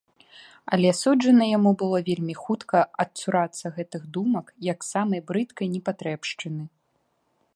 Але суджана яму было вельмі хутка адцурацца гэтых думак, як самай брыдкай непатрэбшчыны.